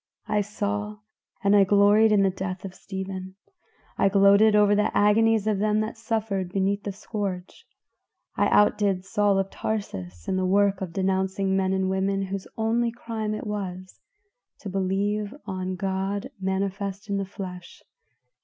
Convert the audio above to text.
I saw and gloried in the death of Stephen; I gloated over the agonies of them that suffered beneath the scourge; I outdid Saul of Tarsus in the work of denouncing men and women whose only crime it was to believe on God manifest in the flesh.